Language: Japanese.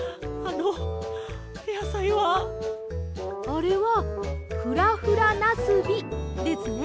あれは「フラフラなすび」ですね。